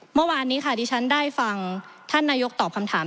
เมื่อวานนี้ค่ะดิฉันได้ฟังท่านนายกตอบคำถาม